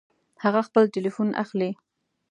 هغه خپل ټيليفون اخلي